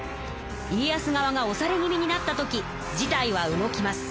家康側がおされ気味になった時事態は動きます。